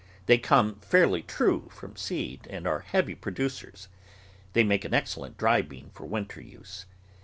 They come fairly true from seed and are heavy producers. They make an excellent dry bean for winter use.